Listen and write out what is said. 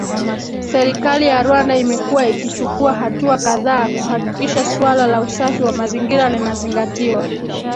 Serikali ya Rwanda imekuwa ikichukua hatua kadhaa kuhakikisha suala la usafi wa mazingira linazingatiwa